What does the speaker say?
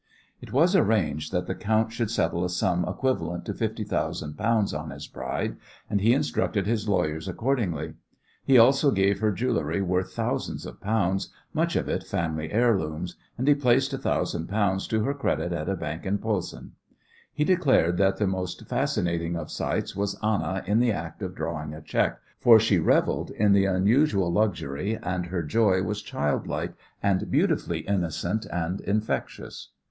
It was arranged that the count should settle a sum equivalent to fifty thousand pounds on his bride, and he instructed his lawyers accordingly. He also gave her jewellery worth thousands of pounds, much of it family heirlooms, and he placed a thousand pounds to her credit at a bank in Posen. He declared that the most fascinating of sights was Anna in the act of drawing a cheque, for she revelled in the unusual luxury, and her joy was childlike and beautifully innocent and infectious.